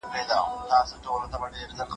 ستړیا د زده کړې مخه نیسي.